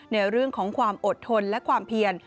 ในเรื่องของความอดทนและความเพียน